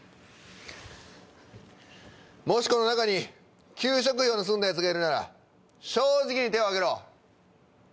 もしこの中に給食費を盗んだ奴がいるなら正直に手を挙げろ。